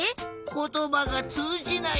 ことばがつうじない。